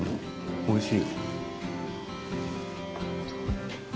おいしい。